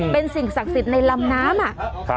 เป็นสิ่งศักดิ์สิทธิ์ในลำน้ำ